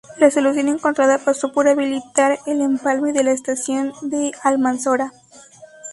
La solución encontrada pasó por habilitar el empalme de la estación de Almanzora.